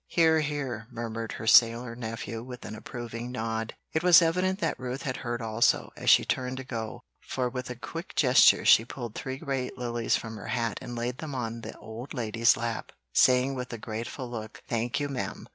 "Hear! hear!" murmured her sailor nephew with an approving nod. It was evident that Ruth had heard also, as she turned to go, for with a quick gesture she pulled three great lilies from her hat and laid them on the old lady's lap, saying with a grateful look, "Thank you, ma'am."